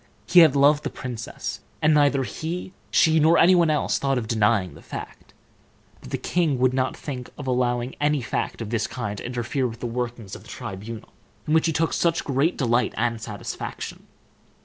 He had loved the princess, and neither he, she, nor any one else, thought of denying the fact; but the king would not think of allowing any fact of this kind to interfere with the workings of the tribunal, in which he took such great delight and satisfaction.